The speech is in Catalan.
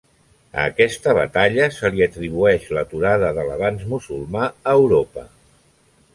A aquesta batalla se li atribueix l'aturada de l'avanç musulmà a Europa.